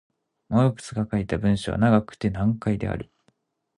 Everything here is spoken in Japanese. マルクスが書いた文章は長くて難解である。